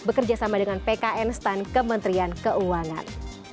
bekerja sama dengan pkn stand kementerian keuangan